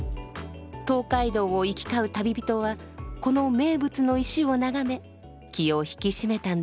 東海道を行き交う旅人はこの名物の石を眺め気を引き締めたんでしょうね。